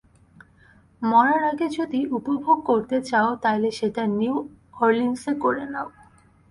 মরার আগে যদি একটু উপভোগ করতে চাও, তাহলে সেটা নিউ অরলিন্সে করে নাও।